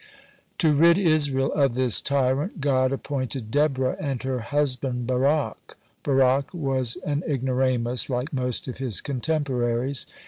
(72) To rid Israel of this tyrant, God appointed Deborah and her husband Barak. Barak was an ignoramus, like most of his contemporaries.